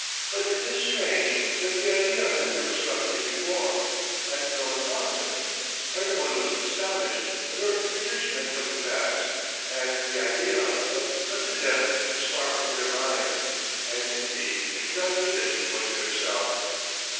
But it is strange that the idea has never struck me before! And no one thought of it! Everyone was astonished that her prediction had come to pass, and the idea ... of such a death was far from their mind. And indeed, it cannot be that she poisoned herself!